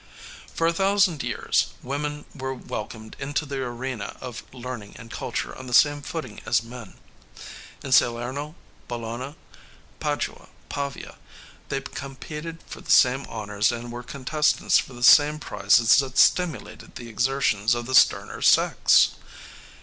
For a thousand years women were welcomed into the arena of learning and culture on the same footing as men. In Salerno, Bologna, Padua, Pavia, they competed for the same honors and were contestants for the same prizes that stimulated the exertions of the sterner sex.